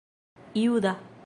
juda